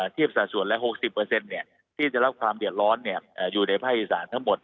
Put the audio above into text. เทียบสัดส่วนละ๖๐ที่จะรับความเดือดร้อนอยู่ในภาคอีสานทั้งหมด